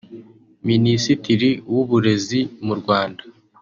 Minisitiri w’Uburezi mu Rwanda